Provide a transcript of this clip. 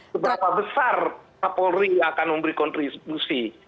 seberapa besar kapolri yang akan memberi kontribusi